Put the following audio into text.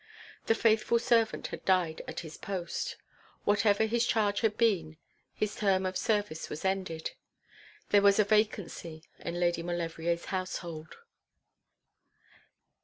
The faithful servant had died at his post. Whatever his charge had been, his term of service was ended. There was a vacancy in Lady Maulevrier's household.